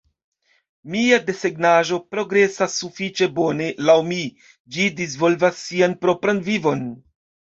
Mia desegnaĵo progresas sufiĉe bone, laŭ mi; ĝi disvolvas sian propran vivon.